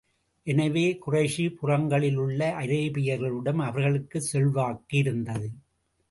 எனவே, குறைஷி புறங்களிலுள்ள அரேபியர்களிடம் அவர்களுக்கு செல்வாக்கு இருந்தது.